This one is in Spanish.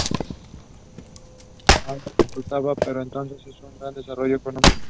Arad disfrutaba por entonces de un gran desarrollo económico.